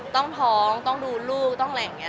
ท้องต้องดูลูกต้องอะไรอย่างนี้